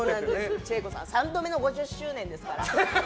千重子さん３度目の５０周年ですから。